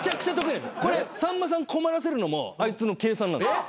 これさんまさん困らせるのもあいつの計算なんです。